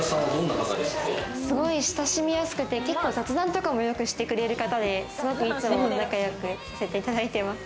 すごい親しみやすくて雑談とかもよくしてくれる方で、いつも仲良くさせていただいてます。